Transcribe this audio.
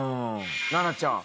奈々ちゃん。